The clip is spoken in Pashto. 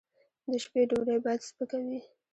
د شپې ډوډۍ باید سپکه وي